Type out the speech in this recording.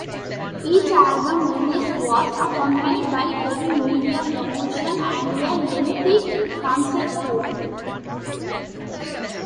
Each album release was accompanied by heavy media promotion and a lengthy concert tour.